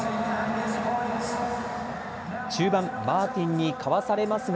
中盤、マーティンにかわされますが。